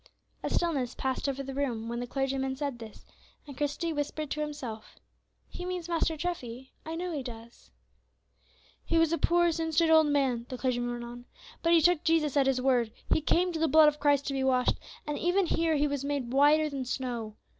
A stillness passed over the room when the clergyman said this, and Christie whispered to himself, "He means Master Treffy, I know he does." "He was a poor sin stained old man," the clergyman went on, "but he took Jesus at His word, he came to the blood of Christ to be washed, and even here he was made whiter than snow.